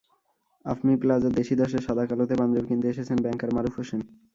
আফমি প্লাজার দেশি দশের সাদা কালোতে পাঞ্জাবি কিনতে এসেছেন ব্যাংকার মারুফ হোসেন।